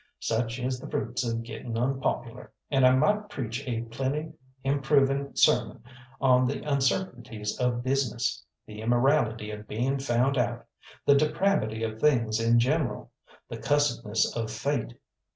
Such is the fruits of getting unpopular, and I might preach a plenty improving sermon on the uncertainties of business, the immorality of being found out, the depravity of things in general, the cussedness of fate.